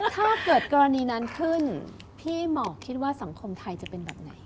ถ้าเกิดกรณีนั้นขึ้นพี่หมอคิดว่าสังคมไทยจะเป็นแบบไหน